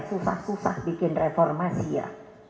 susah susah bikin reformasi ya